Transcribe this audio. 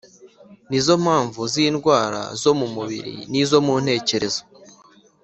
ni zo mpamvu zindwara zumubiri nizo mu ntekerezo